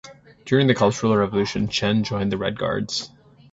During the Cultural Revolution, Chen joined the Red Guards.